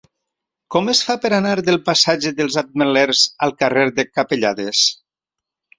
Com es fa per anar del passatge dels Ametllers al carrer de Capellades?